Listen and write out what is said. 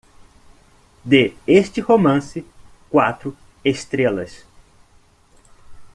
Dê este romance quatro estrelas